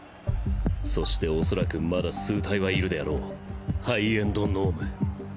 そして恐らくまだ数体はいるであろうハイエンド脳無。